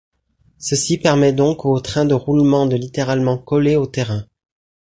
Ceci permet donc au train de roulement de littéralement coller au terrain.